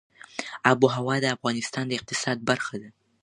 آب وهوا د افغانستان د اقتصاد برخه ده.